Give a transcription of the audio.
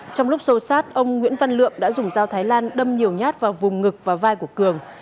trong lúc sâu sát ông nguyễn văn lượng đã dùng dao thái lan đâm nhiều nhát vào vùng ngực và vai của cường